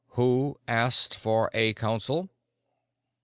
Who asked for a council?"